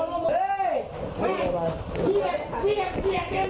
มึงมีไหม